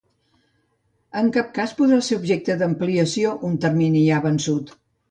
En cap cas podrà ser objecte d'ampliació un termini ja vençut.